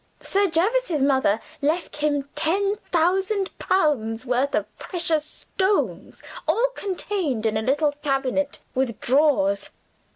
Sir Jervis's mother left him ten thousand pounds' worth of precious stones all contained in a little cabinet with drawers.